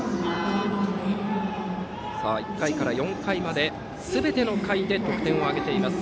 １回から４回まですべての回で得点を挙げています